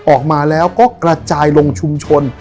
ออกมาแล้วก็กระจายลงชุมชน